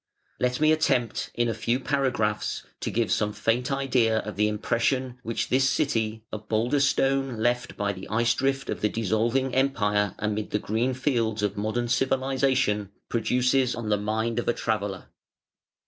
Let me attempt in a few paragraphs to give some faint idea of the impression which this city, a boulder stone left by the icedrift of the dissolving Empire amid the green fields of modern civilisation, produces on the mind of a traveller.